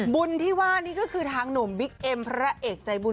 บุญว่านี้ก็ทางหนุ่มพระเอกใจบุญ